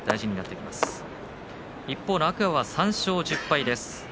一方の天空海３勝１０敗。